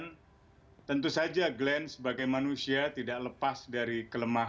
dan tentu saja glenn sebagai manusia tidak lepas dari kemanusiaan